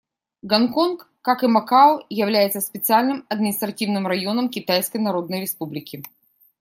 Гонконг, как и Макао, является специальным административным районом Китайской Народной Республики.